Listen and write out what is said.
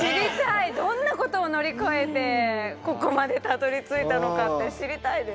どんなことを乗り越えてここまでたどりついたのかって知りたいです。